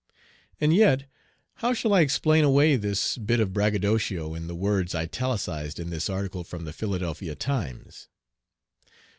And yet how shall I explain away this bit of braggadocio in the words italicized in this article from the Philadelphia Times?